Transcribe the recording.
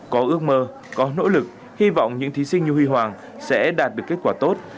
có ước mơ có nỗ lực hy vọng những thí sinh như huy hoàng sẽ đạt được kết quả tốt